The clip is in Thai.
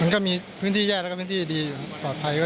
มันก็มีพื้นที่แย่แล้วก็พื้นที่ดีอยู่ปลอดภัย